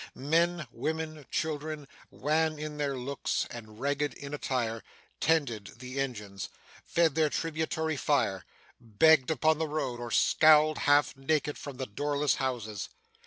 Men, women, children, wan in their looks and ragged in attire, tended the engines, fed their tributary fire, begged upon the road, or scowled half naked from the doorless houses.